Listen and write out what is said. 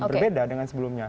berbeda dengan sebelumnya